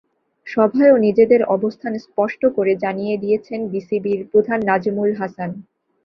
সভায়ও নিজেদের অবস্থান স্পষ্ট করে জানিয়ে দিয়েছেন বিসিবির প্রধান নাজমুল হাসান।